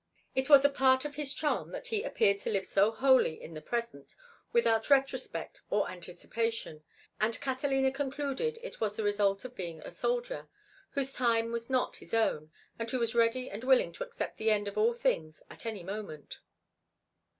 It was a part of his charm that he appeared to live so wholly in the present, without retrospect or anticipation, and Catalina concluded it was the result of being a soldier, whose time was not his own, and who was ready and willing to accept the end of all things at any moment.